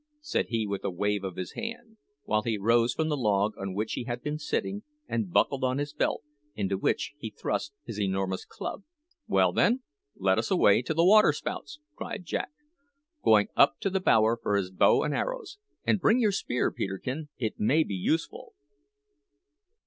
said he with a wave of his hand, while he rose from the log on which he had been sitting and buckled on his belt, into which he thrust his enormous club. "Well, then, let us away to the waterspouts," cried Jack, going up to the bower for his bow and arrows. "And bring your spear, Peterkin; it may be useful."